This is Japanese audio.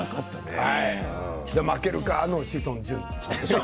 それに負けるかの志尊淳。